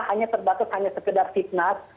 hanya terbatas hanya sekedar fitnah